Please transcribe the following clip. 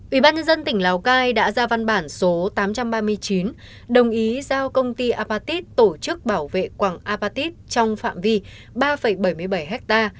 ubnd tỉnh lào cai đã ra văn bản số tám trăm ba mươi chín đồng ý giao công ty apatit tổ chức bảo vệ quạng apatit trong phạm vi ba bảy mươi bảy ha